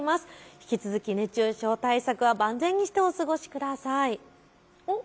引き続き、熱中症対策は万全にしてお過ごしください。